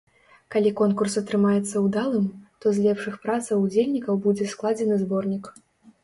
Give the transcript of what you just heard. Калі конкурс атрымаецца ўдалым, то з лепшых працаў удзельнікаў будзе складзены зборнік.